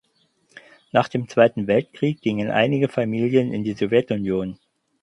Nach dem Zweiten Weltkrieg gingen einige Familien in die Sowjetunion.